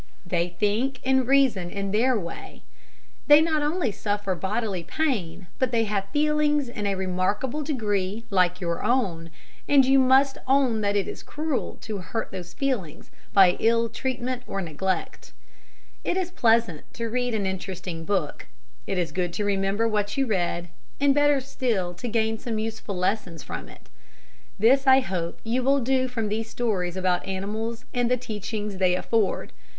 They think and reason in their way. They not only suffer bodily pain, but they have feelings in a remarkable degree like your own; and you must own that it is cruel to hurt those feelings by ill treatment or neglect. It is pleasant to read an interesting book; it is good to remember what you read, and better still to gain some useful lessons from it. This, I hope, you will do from these stories about animals and the teachings they afford.